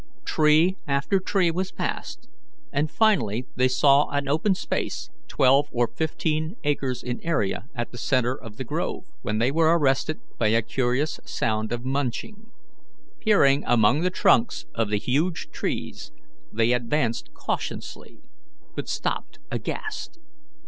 Tree after tree was passed, and finally they saw an open space twelve or fifteen acres in area at the centre of the grove, when they were arrested by a curious sound of munching. Peering among the trunks of the huge trees, they advanced cautiously, but stopped aghast.